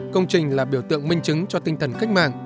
công trình là biểu tượng minh chứng cho tinh thần cách mạng